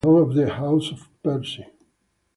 It is the ancestral home of the House of Percy.